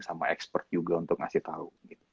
sama expert juga untuk ngasih tahu